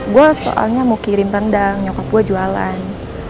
gue soalnya mau kirim rendang nyokap gue jualan